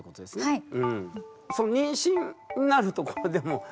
はい。